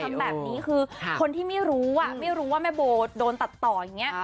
ทำแบบนี้คือคนที่ไม่รู้อ่ะไม่รู้ว่าแม่โบโดนตัดต่ออย่างนี้